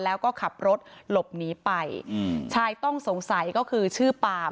แล้วก็ขับรถหลบหนีไปอืมชายต้องสงสัยก็คือชื่อปาม